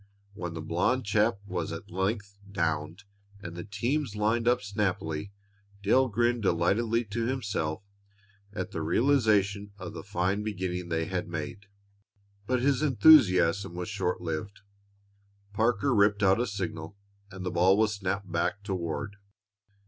When the blond chap was at length downed and the teams lined up snappily, Dale grinned delightedly to himself at the realization of the fine beginning they had made. But his enthusiasm was short lived. Parker ripped out a signal, and the ball was snapped back to Ward.